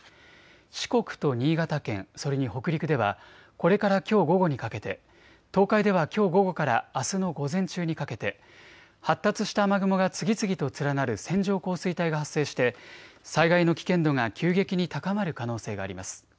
四国と新潟県、それに北陸ではこれからきょう午後にかけて、東海ではきょう午後からあすの午前中にかけて発達した雨雲が次々と連なる線状降水帯が発生して災害の危険度が急激に高まる可能性があります。